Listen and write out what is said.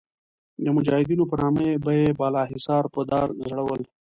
د مجاهدینو په نامه به یې بالاحصار په دار ځړول.